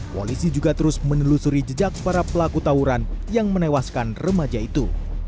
polisi juga terus menelusuri jejak para pelaku tawuran yang menewaskan remaja itu